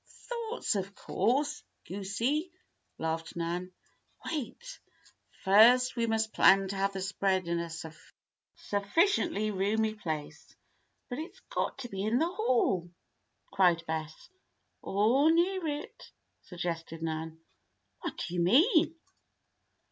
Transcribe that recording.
"Thoughts, of course, goosey!" laughed Nan. "Wait! First we must plan to have the spread in a sufficiently roomy place." "But it's got to be in the Hall," cried Bess. "Or near it," suggested Nan. "What do you mean?"